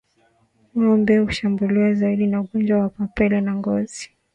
Ngombe hushambuliwa zaidi na ungojwa wa mapele ya ngozi